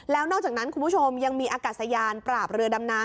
แล้วนอกจากนั้นคุณผู้ชมยังมีอากาศยานปราบเรือดำน้ำ